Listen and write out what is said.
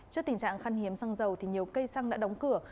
trước tình trạng khăn hiếm xăng dầu thì nhiều cây xăng đã đóng cửa